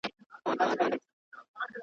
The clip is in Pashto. چي زوړ یار مي له اغیار سره خمسور سو.